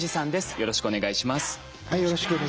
よろしくお願いします。